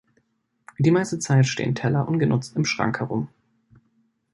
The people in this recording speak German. Die meiste Zeit stehen Teller ungenutzt im Schrank herum.